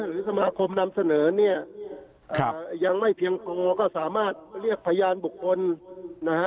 หรือสมาคมนำเสนอเนี่ยยังไม่เพียงพอก็สามารถเรียกพยานบุคคลนะฮะ